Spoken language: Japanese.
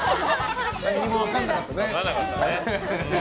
分かんなかったね。